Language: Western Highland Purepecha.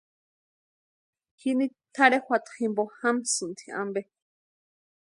Jini tʼarhe juata jimpo jamsïnti ampe.